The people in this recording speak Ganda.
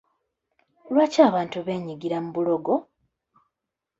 Lwaki abantu beenyigira mu bulogo?